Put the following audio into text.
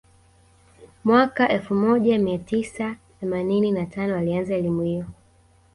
mwaka elfu moja mia tisa theemanini na tano alianza elimu hiyo